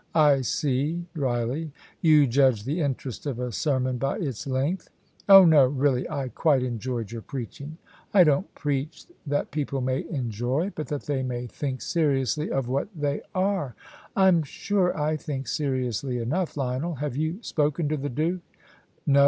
"I see" dryly "you judge the interest of a sermon by its length." "Oh no really, I quite enjoyed your preaching." "I don't preach that people may enjoy, but that they may think seriously of what they are." "I'm sure I think seriously enough, Lionel. Have you spoken to the Duke? No?